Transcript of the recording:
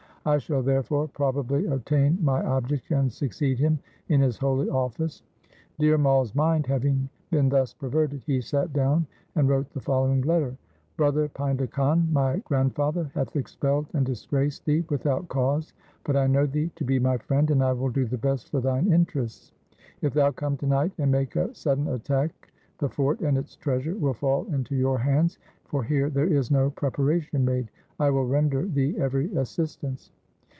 I shall, therefore, probably attain my object and succeed him in his holy office.' Dhir Mai's mind having been thus perverted, he sat down and wrote the following letter :—' Brother Painda Khan, my grandfather hath expelled and disgraced thee without cause, but I know thee to be my friend, and I will do the best for thine interests. If thou come to night and make a sudden attack, the fort and its treasure will fall into your hands, for here there is no preparation made. I will render thee every assistance.'